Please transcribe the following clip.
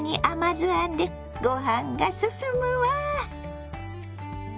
甘酢あんでご飯が進むわ。